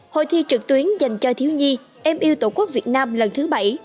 hội thi trực tuyến dành cho thiếu nhi em yêu tổ quốc việt nam lần thứ bảy